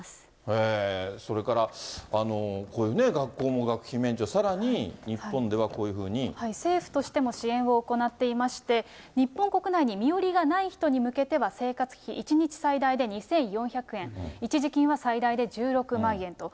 へー、それからこういうね、学校も学費免除、政府としても支援を行っていまして、日本国内に身寄りがない人に向けては生活費、１日最大で２４００円、一時金は最大で１６万円と。